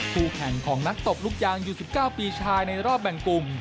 คู่แข่งของนักตบลูกยางอยู่๑๙ปีชายในรอบแบ่งกลุ่ม